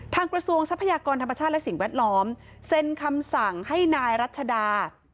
กระทรวงทรัพยากรธรรมชาติและสิ่งแวดล้อมเซ็นคำสั่งให้นายรัชดา